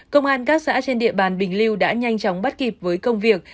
công an các xã trên địa bàn bình liêu đã nhanh chóng bắt kịp với công việc